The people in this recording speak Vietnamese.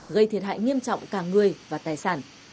gây thiệt hại nghiêm trọng cả người và tài sản